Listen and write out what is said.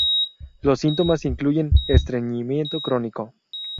Los síntomas incluyen estreñimiento crónico.